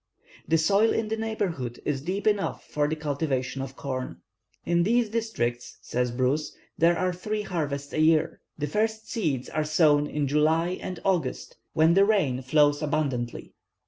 The soil in the neighbourhood is deep enough for the cultivation of corn. "In these districts," says Bruce, "there are three harvests a year. The first seeds are sown in July and August, when the rain flows abundantly.